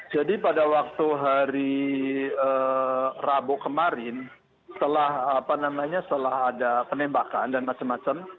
jadi pada waktu hari rabu kemarin setelah ada penembakan dan macam macam